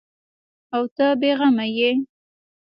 او ته بې غمه یې ؟